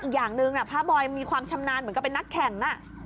อย่างหนึ่งพระบอยมีความชำนาญเหมือนกับเป็นนักแข่ง